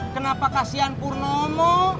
kenapa kasian purnomo